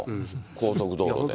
高速道路で。